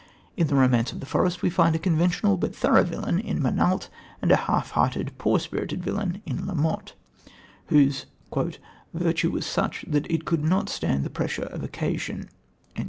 In The Romance of the Forest we find a conventional but thorough villain in Montalt and a half hearted, poor spirited villain in La Motte, whose "virtue was such that it could not stand the pressure of occasion."